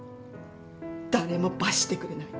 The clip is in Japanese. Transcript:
誰も罰してくれない。